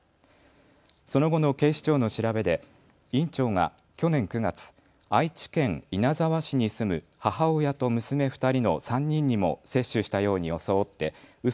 その後の警視庁の調べで院長が去年９月、愛知県稲沢市に住む母親と娘２人の３人にも接種したように装ってう